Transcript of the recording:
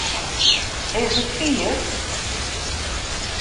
Is it fier?